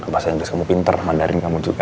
bahasa inggris kamu pinter mandarin kamu juga